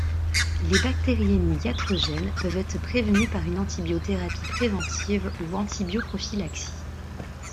Les bactériémies iatrogènes peuvent être prévenues par une antibiothérapie préventive ou antibioprophylaxie.